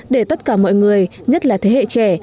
để tất cả mọi người nhất là thế hệ trẻ